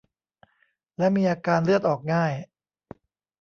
และมีอาการเลือดออกง่าย